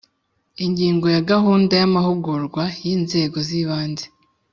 Ingingo ya Gahunda y amahugurwa yinzego zibanze